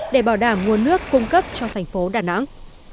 để bảo đảm nguồn nước cung cấp cho thành phố đà nẵng